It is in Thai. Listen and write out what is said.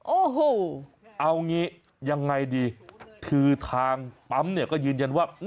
โอ้โหเอางี้ยังไงดีคือทางปั๊มเนี่ยก็ยืนยันว่า